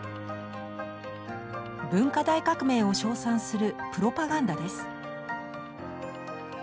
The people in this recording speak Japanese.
文化大革命を称賛するプロパガンダです。